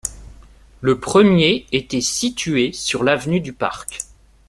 Le premier était situé sur l'avenue du Parc.